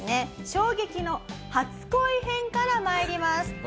衝撃の初恋編から参ります。